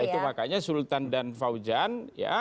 itu makanya sultan dan fauzan